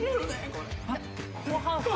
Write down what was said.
これ。